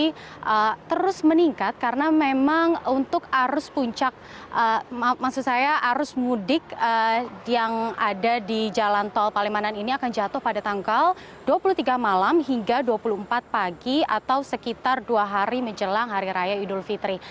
jadi terus meningkat karena memang untuk arus puncak maksud saya arus mudik yang ada di jalan tol palimanan ini akan jatuh pada tanggal dua puluh tiga malam hingga dua puluh empat pagi atau sekitar dua hari menjelang hari raya idul fitri